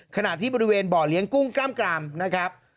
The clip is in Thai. ขณะที่บริเวณบ่อเลี้ยงกุ้งกล้ามกรามนะครับ